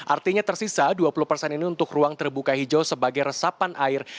artinya tersisa dua puluh persen ini untuk ruang terbuka hijau sebagai resapan air